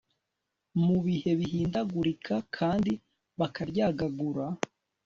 mu bihe bihindagurika kandi bakaryagagura